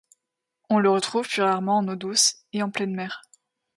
On le retrouve plus rarement en eaux douces et en pleine mer.